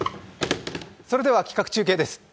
それでは企画中継です。